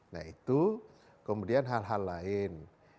nah itu kemudian hal hal lain